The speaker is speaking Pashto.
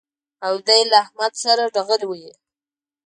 او دی له احمد سره ډغرې وهي